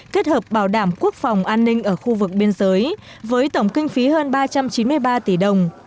kết hợp bảo đảm quốc phòng an ninh ở khu vực biên giới với tổng kinh phí hơn ba trăm chín mươi ba tỷ đồng